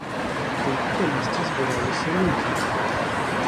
Тут калісьці збіраліся людзі.